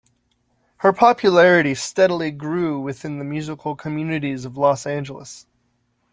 Her popularity steadily grew within the musical communities of Los Angeles.